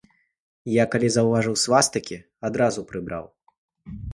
Я, калі заўважыў, свастыкі адразу прыбраў.